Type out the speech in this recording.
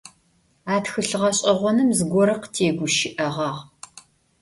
A txılh ğeş'eğonım zıgore khıtêguşı'eğağ.